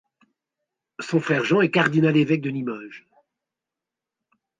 Son frère Jean est cardinal-évêque de Limoges.